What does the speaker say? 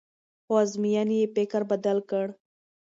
خو ازموینې یې فکر بدل کړ.